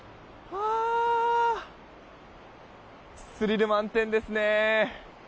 スリル満点ですね！